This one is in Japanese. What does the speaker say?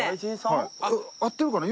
合ってるかな？